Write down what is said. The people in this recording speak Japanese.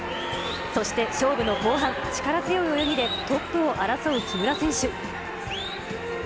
そして勝負の後半、力強い泳ぎで、トップを争う木村選手。